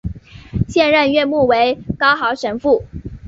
现任院牧为高豪神父。